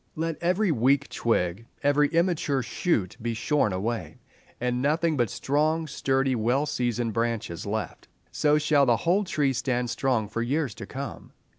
Let every weak twig, every immature shoot be shorn away, and nothing but strong, sturdy, well seasoned branches left. So shall the whole tree stand strong for years to come.